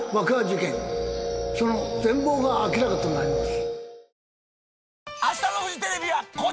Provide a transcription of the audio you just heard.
その全貌が明らかとなります。